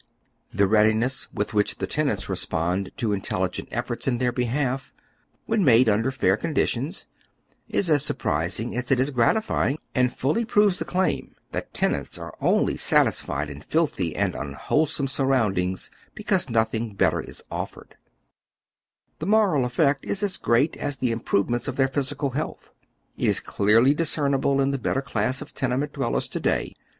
The readiness witii which the tenants respond to intelli gent efforts in their behalf, when made under fair condi tions, is as surprising as it is gratifying, and fully proves the claim that tenants are only satisfied in filthy and un wliolesome suri'onndings because nothing better is offered, Tlie moral effect is as great as the improvement of their physical healtli. It is clearly discernible in the better class of tenement dwellers to day.